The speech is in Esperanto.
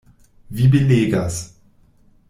Vi belegas!